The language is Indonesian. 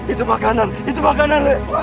itu makanan itu makanan